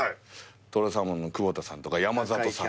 とろサーモンの久保田さんとか山里さんとか。